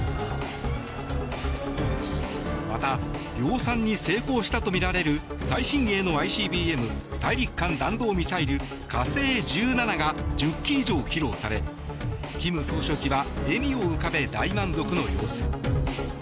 また、量産に成功したとみられる最新鋭のＩＣＢＭ・大陸間弾道ミサイル「火星１７」が１０基以上、披露され金総書記は笑みを浮かべ大満足の様子。